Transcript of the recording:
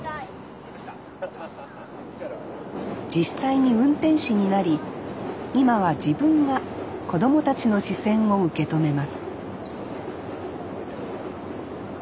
実際に運転士になり今は自分が子供たちの視線を受け止めます